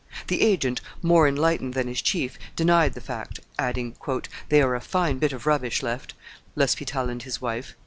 The agent, more enlightened than his chief, denied the fact, adding, "They are a fine bit of rubbish left, L'Hospital and his wife."